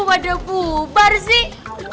ada bubar sih